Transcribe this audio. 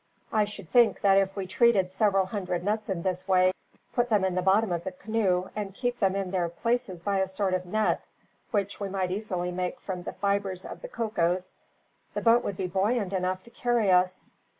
I should think that if we treated several hundred nuts in this way, put them in the bottom of the canoe, and keep them in their places by a sort of net, which we might easily make from the fibers of the cocoas, the boat would be buoyant enough to carry us."